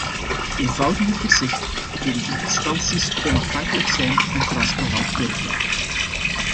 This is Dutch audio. Eenvoudiger gezegd moeten die instanties onafhankelijk zijn en transparant werken.